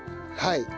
はい。